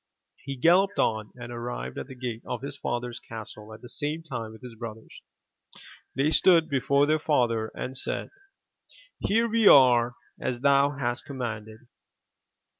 He galloped on and arrived at the gate of his father's castle at the same time with his brothers. They stood before their father and said: ''Here we are, as thou hast commanded."